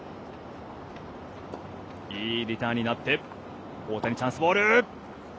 いいリターンになって大谷、チャンスボール。